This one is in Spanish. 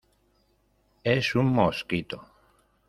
es un mosquito.